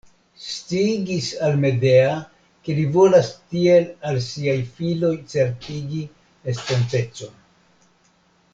Sciigis al Medea, ke li volas tiel al siaj filoj certigi estontecon.